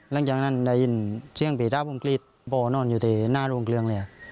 หลังจากนั้นได้ยินเสียงปิดถ้าผมกรีดพ่อนอนอยู่ที่หน้ารุงเกลืองเลย